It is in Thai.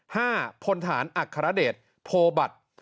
ห้าพลฐานอักฆระเดชโพบัติ